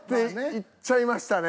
いっちゃいましたね。